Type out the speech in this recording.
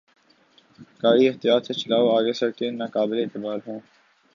گاڑی احتیاط سے چلاؤ! آگے سڑکیں ناقابل اعتبار ہیں۔